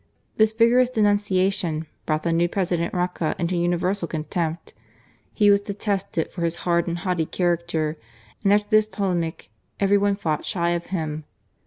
This vigorous denunciation brought the new President Roca into universal contempt. He was detested for his hard and haughty character, and after this polemic every one fought shy of him.